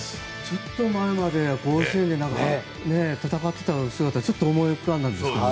ちょっと前まで甲子園で戦っていた姿がちょっと思い浮かんだんですけど。